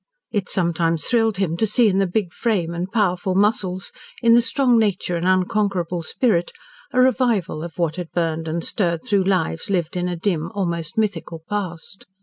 It sometimes thrilled him to see in the big frame and powerful muscles, in the strong nature and unconquerable spirit, a revival of what had burned and stirred through lives lived in a dim, almost mythical, past.